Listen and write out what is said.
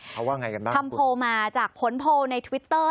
เขาว่าไงกันบ้างทำโพลมาจากผลโพลในทวิตเตอร์